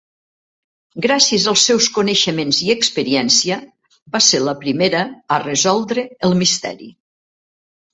Gràcies als seus coneixements i experiència, va ser la primera a resoldre el misteri.